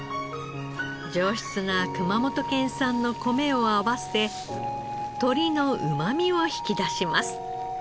上質な熊本県産の米を合わせ鶏のうまみを引き出します。